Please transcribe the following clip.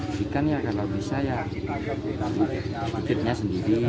kita perhatikan ya kalau bisa ya tiketnya sendiri